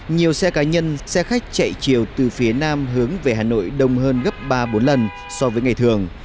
nhiều xe cá nhân xe khách chạy chiều từ phía nam hướng về hà nội đông hơn gấp ba bốn lần so với ngày thường